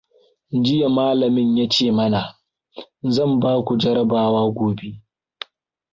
"Jiya malamin ya ce mana, ""Zan ba ku jarabawa gobe."""